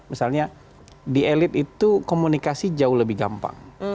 misalnya di elit itu komunikasi jauh lebih gampang